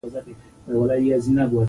نیکه د کورنۍ وحدت ته ارزښت ورکوي.